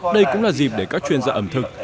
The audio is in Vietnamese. đây cũng là dịp để các chuyên gia ẩm thực